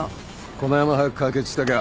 このヤマ早く解決したきゃ